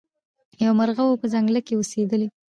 یو مرغه وو په ځنګله کي اوسېدلی